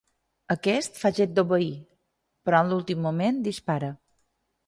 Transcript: Aquest fa gest d'obeir, però en l'últim moment, dispara.